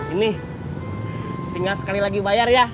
ini tinggal sekali lagi bayar ya